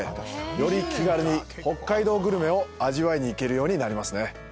より気軽に、北海道グルメを味わいに行けるようになりますね。